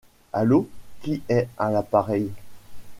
Allo, qui est à l'appareil ?